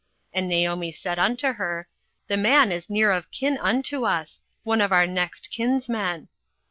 And Naomi said unto her, The man is near of kin unto us, one of our next kinsmen.